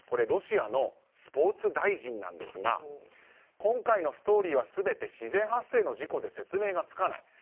ロシアのスポーツ大臣なんですが今回のストーリーは全て自然発生の事故で説明がつかない。